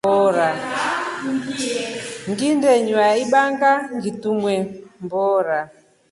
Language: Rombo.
Ngindelye ibanga ngitumbwe mboora.